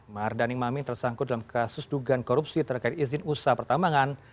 mardani maming tersangkut dalam kasus dugaan korupsi terkait izin usaha pertambangan